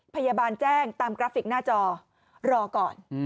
พยาบาลแจ้งตามกราฟิกหน้าจอรอก่อน